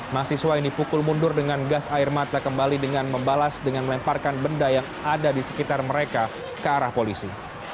mahasiswa ini pukul mundur dengan gas air mata kembali dengan membalas dengan melemparkan benda yang ada di sekitar mereka ke arah polisi